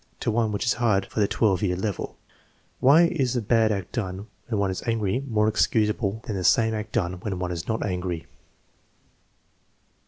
") to one which is hard for the 12 year level (" Why is a bad act done when one is angry more excusable than the same act done when one is not angry?